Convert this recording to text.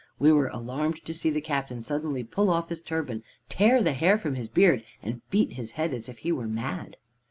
We were alarmed to see the captain suddenly pull off his turban, tear the hair from his beard, and beat his head as if he were mad.